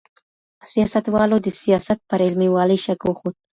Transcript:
سیاستوالو د سیاست پر علمي والي شک وښود.